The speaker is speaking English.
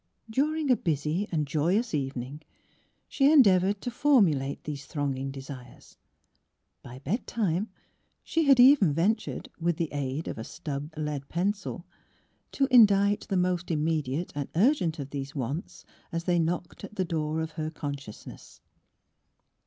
During a busy and joyous evening she endeavored to formulate these thronging de sires; by bedtime she had even ventured — with the aid of a stubbed lead pencil — to indite the most immediate and urgent of these wants as they knocked at the door of her conscious ness.